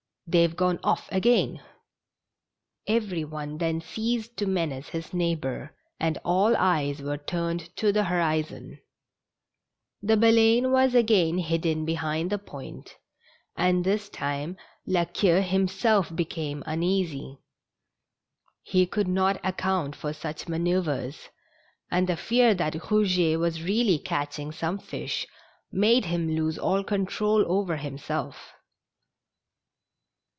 " They've gone off again." Every one then ceased to menace his neighbor, ^nd all eyes were turned to the horizon. The PaleAne was again hidden behind the point, and this time La Queue himself became uneasy. lie could not account for such manoeuvres, and the fear that Rougetwas really catching some fish made him lose all control over himself.